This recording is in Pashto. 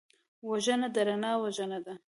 وژنه د رڼا وژنه ده